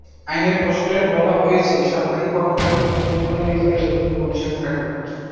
আইনের খসড়ায় আরও বলা হয়েছে, সরকারি কর্মচারীদের জন্য স্থায়ী বেতন কমিশন থাকবে।